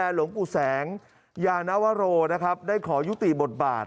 ดูแลหลวงปู่แสงยานวโรได้ขอยุติบทบาท